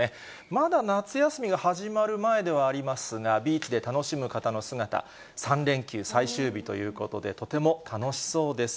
まだ夏休みが始まる前ではありますが、ビーチで楽しむ方の姿、３連休最終日ということで、とても楽しそうです。